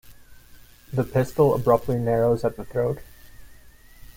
The pistil abruptly narrows at the throat.